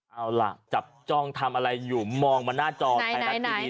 เอาล่ะจับจ้องทำอะไรอยู่มองมาหน้าจอไทยรัฐทีวี